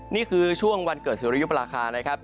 นี่คือช่วงวันเกิดสุริยุปราคานะครับ